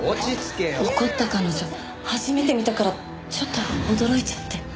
怒った彼女初めて見たからちょっと驚いちゃって。